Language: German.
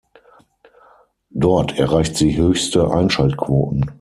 Dort erreicht sie höchste Einschaltquoten.